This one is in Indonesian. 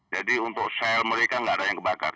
jadi untuk sel mereka nggak ada yang terbakar